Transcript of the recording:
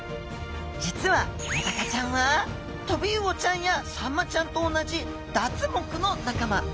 実はメダカちゃんはトビウオちゃんやサンマちゃんと同じダツ目の仲間。